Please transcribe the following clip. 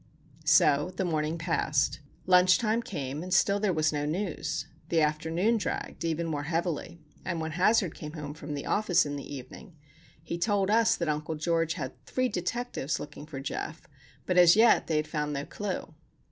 So the morning passed. Lunch time came, and still there was no news. The afternoon dragged even more heavily; and when Hazard came home from the office in the evening he told us that Uncle George had three detectives looking for Geof, but as yet they had found no clue.